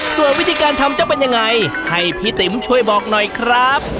ส่วนวิธีการทำจะเป็นยังไงให้พี่ติ๋มช่วยบอกหน่อยครับ